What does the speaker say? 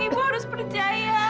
ibu harus percaya